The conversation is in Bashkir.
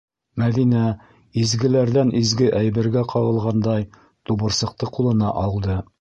Мәҙинә изгеләрҙән изге әйбергә ҡағылғандай, тубырсыҡты ҡулына алды.